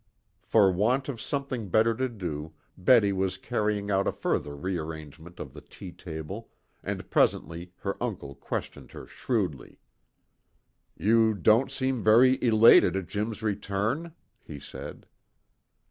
For want of something better to do Betty was carrying out a further rearrangement of the tea table, and presently her uncle questioned her shrewdly. "You don't seem very elated at Jim's return?" he said.